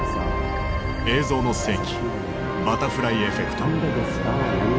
「映像の世紀バタフライエフェクト」。